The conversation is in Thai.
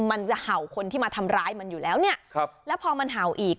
มันจะเห่าคนที่มาทำร้ายมันอยู่แล้วเนี่ยครับแล้วพอมันเห่าอีก